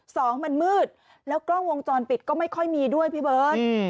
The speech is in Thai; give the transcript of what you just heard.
สองมันมืดแล้วกล้องวงจรปิดก็ไม่ค่อยมีด้วยพี่เบิร์ต